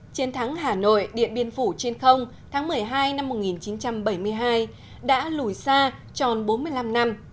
chiến thắng hà nội điện biên phủ trên không tháng một mươi hai năm một nghìn chín trăm bảy mươi hai đã lùi xa tròn bốn mươi năm năm